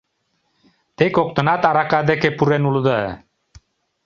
Те коктынат арака деке пурен улыда!..